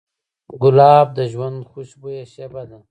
ګلاب د ژوند خوشبویه شیبه ده.